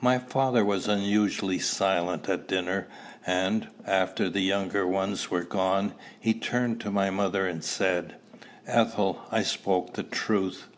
My father was unusually silent at dinner; and, after the younger ones were gone, he turned to my mother, and said, "Ethel, I spoke the truth.